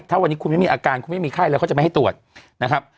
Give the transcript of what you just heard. ถ้าวันนี้คุณไม่มีอาการคุณไม่มีไข้แล้วเขาจะไม่ให้ตรวจนะครับ